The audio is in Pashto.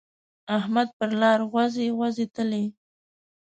احمد پر لار غوزی غوزی تلی.